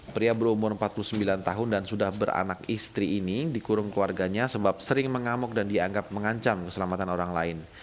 pria berumur empat puluh sembilan tahun dan sudah beranak istri ini dikurung keluarganya sebab sering mengamuk dan dianggap mengancam keselamatan orang lain